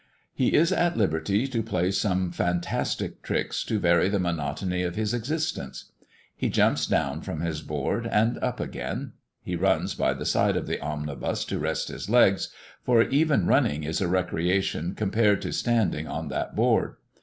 He is at liberty to play some fantastic tricks to vary the monotony of his existence; he jumps down from his board and up again; he runs by the side of the omnibus to rest his legs, for even running is a recreation compared to standing on that board.